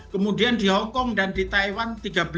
kemudian di hongkong dan di taiwan